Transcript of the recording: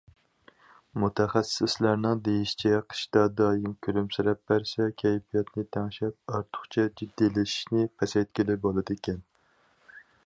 مۇتەخەسسىسلەرنىڭ دېيىشىچە، قىشتا دائىم كۈلۈمسىرەپ بەرسە كەيپىياتنى تەڭشەپ، ئارتۇقچە جىددىيلىشىشنى پەسەيتكىلى بولىدىكەن.